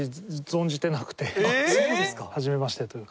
はじめましてというか。